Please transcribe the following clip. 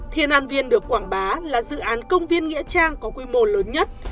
thiên an viên được quảng bá là dự án công viên nghĩa trang có quy mô lớn nhất